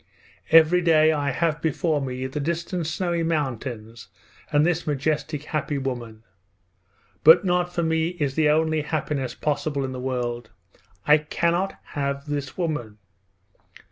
Every day I have before me the distant snowy mountains and this majestic, happy woman. But not for me is the only happiness possible in the world; I cannot have this woman!